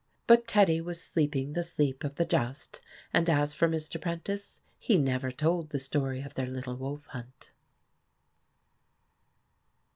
But Teddy was sleeping the sleep of the just, and as for Mr. Prentice, he never told the story of their little wolf hunt.